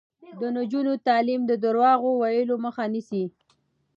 د نجونو تعلیم د درواغو ویلو مخه نیسي.